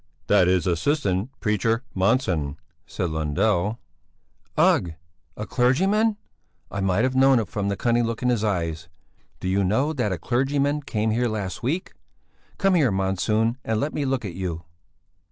"That is assistant preacher Monsson," said Lundell. "Ugh! A clergyman! I might have known it from the cunning look in his eyes. Do you know that a clergyman came here last week? Come here, Monsson, and let me look at you!"